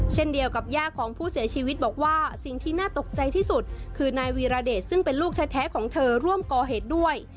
เช่นเดียวกับย่าของผู้เสียชีวิตบอกว่าสิ่งที่น่าตกใจที่สุดคือนายวีรเดชซึ่งเป็นลูกแท้ของเธอร่วมก่อเหตุด้วย